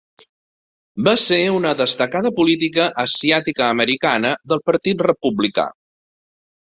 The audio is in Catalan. Va ser una destacada política asiàtica-americana del partit republicà.